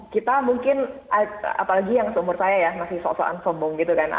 kita mungkin apalagi yang seumur saya ya masih sok soan sombong gitu kan